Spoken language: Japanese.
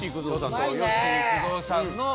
吉幾三さんの歌。